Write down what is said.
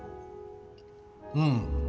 うん。